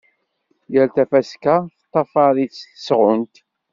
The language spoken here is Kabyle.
Yal tafaska teṭṭafar-itt tesɣunt.